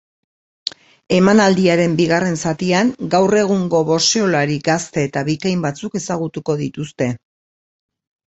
Emanaldiaren bigarren zatian, gaur egungo boxeolari gazte eta bikain batzuk ezagutuko dituzte.